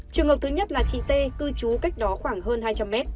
trường hợp thứ nhất là chị t cư trú cách đó khoảng hơn hai trăm linh m